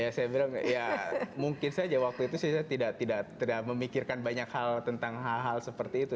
ya saya bilang ya mungkin saja waktu itu sih saya tidak memikirkan banyak hal tentang hal hal seperti itu